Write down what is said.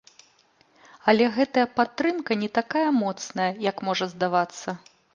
Але гэтая падтрымка не такая моцная, як можа здавацца.